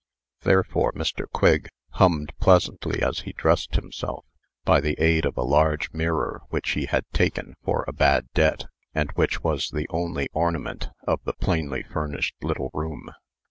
Therefore Mr. Quigg hummed pleasantly as he dressed himself, by the aid of a large mirror which he had taken for a bad debt, and which was the only ornament of the plainly furnished little room.